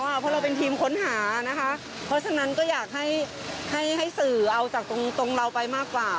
เพราะเราเป็นทีมค้นหานะคะเพราะฉะนั้นก็อยากให้ให้สื่อเอาจากตรงเราไปมากกว่า